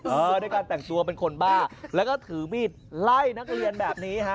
ด้วยการแต่งตัวเป็นคนบ้าแล้วก็ถือมีดไล่นักเรียนแบบนี้ฮะ